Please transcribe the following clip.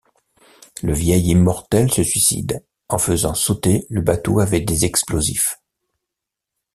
Le vieil immortel se suicide en faisant sauter le bateau avec des explosifs.